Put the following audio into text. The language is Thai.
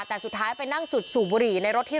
แต่สุดท้ายไปนั่งจุดสูบบุหรี่ในรถที่